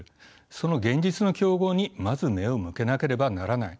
その現実の競合にまず目を向けなければならない。